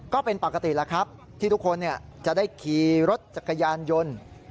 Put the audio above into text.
ก็เป็นปกติแล้วครับที่ทุกคนจะได้ขี่รถจักรยานยนต์